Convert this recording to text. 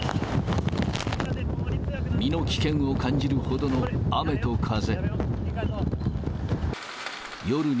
身の危険を感じるほどの雨と風。